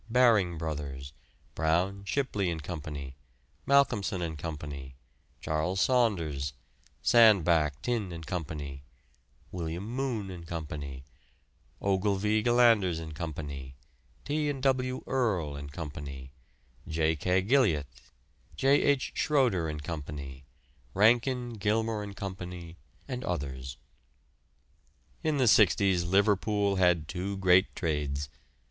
Baring Brothers; Brown, Shipley and Co.; Malcolmson and Co.; Charles Saunders; Sandbach, Tinne and Co.; Wm. Moon and Co.; Ogilvy, Gillanders and Co.; T. and W. Earle and Co.; J. K. Gilliat; J. H. Schroeder and Co.; Rankin, Gilmour and Co., and others. In the 'sixties Liverpool had two great trades.